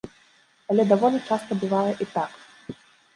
Але даволі часта бывае і так.